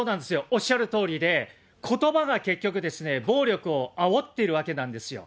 おっしゃるとおりで、ことばが結局ですね、暴力をあおっているわけなんですよ。